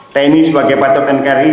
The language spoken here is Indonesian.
tni sebagai patroli tni